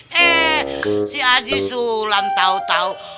hei si aji sulam tau tau